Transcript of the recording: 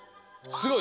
すごい。